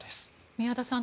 宮田さん